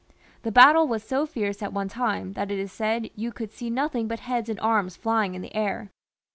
The battle was so fierce at one time that it is said, " You could see nothing but heads and arms flying in the air."